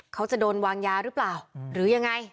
เขาจะโดนวางยาหรือเปล่าหรือยังไง